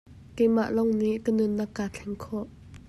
Keimah lawng nih ka nunnak kaa thleng khawh.